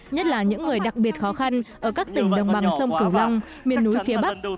nhất là những người đặc biệt khó khăn ở các tỉnh đồng bằng sông cửu long miền núi phía bắc